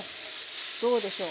どうでしょう？